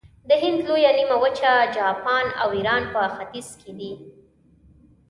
د هند لویه نیمه وچه، جاپان او ایران په ختیځ کې دي.